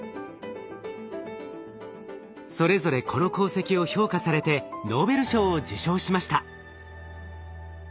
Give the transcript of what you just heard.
それぞれこの功績を評価されてノーベル賞を受賞しました。